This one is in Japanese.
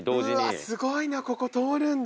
うわすごいなここ通るんだ。